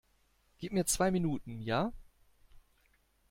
Gib mir zwei Minuten, ja?